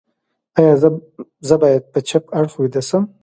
ایا زه باید په چپ اړخ ویده شم؟